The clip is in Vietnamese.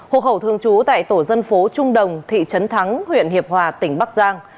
hộ khẩu thường trú tại tổ dân phố trung đồng thị trấn thắng huyện hiệp hòa tỉnh bắc giang